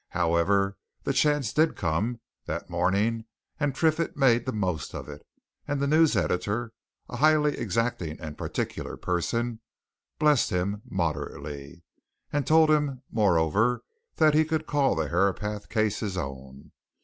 However, the chance did come that morning, and Triffitt made the most of it, and the news editor (a highly exacting and particular person) blessed him moderately, and told him, moreover, that he could call the Herapath case his own.